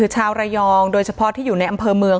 ชาวระยองโดยเฉพาะที่อยู่ในอำเภอเมือง